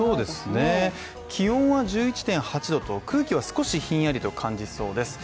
気温は１１．８度と、空気は少しひんやりと感じそうです。